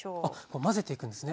混ぜていくんですね。